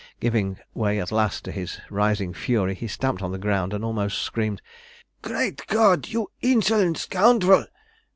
Giving way at last to his rising fury, he stamped on the ground and almost screamed "Great God! you insolent scoundrel!